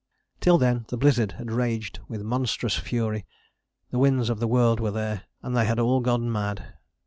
Till then the blizzard had raged with monstrous fury; the winds of the world were there, and they had all gone mad.